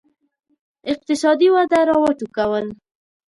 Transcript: اقتصادي وده را وټوکول.